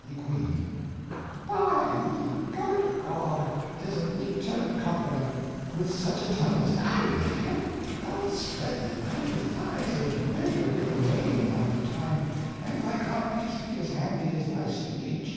Ye Queene. By ye gullet of God, 'tis a neat turned compliment. With such a tongue as thine, lad, thou'lt spread the ivory thighs of many a willing maide in thy good time, an' thy cod piece be as handy as thy speeche.